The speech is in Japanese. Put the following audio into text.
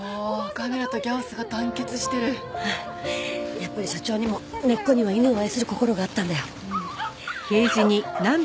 やっぱり社長にも根っこには犬を愛する心があったんだよ。